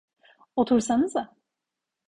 Otursanıza…